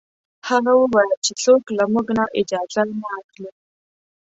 هغه وویل چې څوک له موږ نه اجازه نه اخلي.